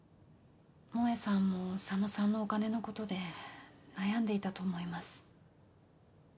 萌さんも佐野さんのお金のことで悩んでいたと思います。